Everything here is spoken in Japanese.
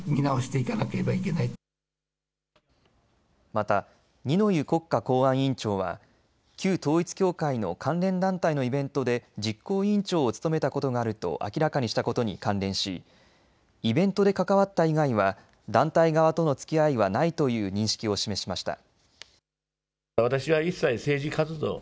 また二之湯国家公安委員長は旧統一教会の関連団体のイベントで実行委員長を務めたことがあると明らかにしたことに関連しイベントで関わった以外は団体側とのつきあいはないという認識を示しました。